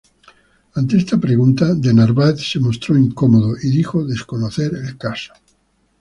Ante esta pregunta, De Narváez se mostró incómodo y dijo desconocer el caso.